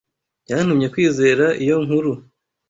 Yantumye kwizera iyo nkuru.